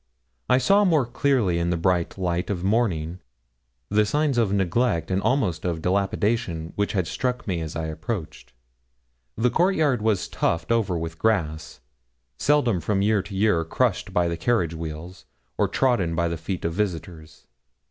I saw more clearly in the bright light of morning the signs of neglect and almost of dilapidation which had struck me as I approached. The court yard was tufted over with grass, seldom from year to year crushed by the carriage wheels, or trodden by the feet of visitors.